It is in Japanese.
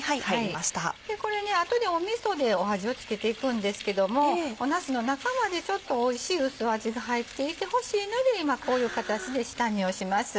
これね後でみそで味を付けていくんですけどもなすの中までおいしい薄味が入っていてほしいので今こういうかたちで下煮をします。